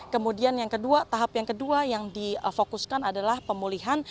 kemudian yang kedua tahap yang kedua yang difokuskan adalah pemulihan